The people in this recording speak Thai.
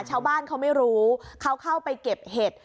ชาวบ้านเขาไม่รู้เขาเข้าไปเก็บเห็ด